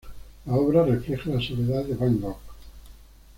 La obra refleja la soledad de Van Gogh.